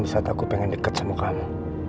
saat aku pengen deket sama kamu